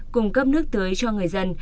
cung cấp nước tưới cho người dân